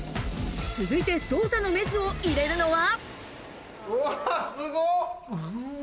続いて捜査のメスを入れるのは。